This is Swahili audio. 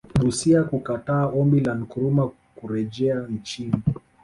Busia kukataa Ombi la Nkrumah kurejea nchini